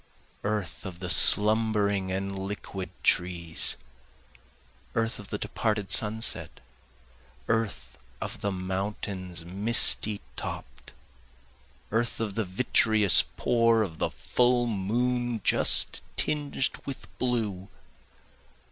Earth of the slumbering and liquid trees! Earth of departed sunset earth of the mountains misty topt! Earth of the vitreous pour of the full moon just tinged with blue!